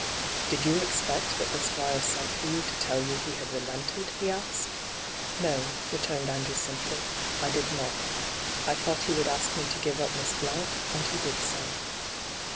' Did you fcxpeot that the Squire sent for you to tell you he had relented V he asked. ' No,' returned Andrew simply, ' I did not. I thought he wotdd ask me to give up Miss Blount, and he did so.'